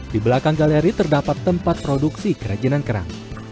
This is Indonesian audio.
di belakang galeri terdapat tempat produksi kerajinan kerang